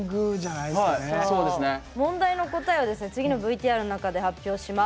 問題の答えは次のＶＴＲの中で発表します。